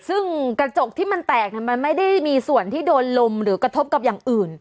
ซึ่งกระจกที่มันแตกมันไม่ได้มีส่วนที่โดนลมหรือกระทบกับอย่างอื่น